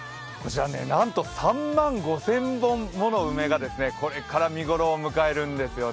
なんと３万５０００本の梅がこれから見頃を迎えるんですよね。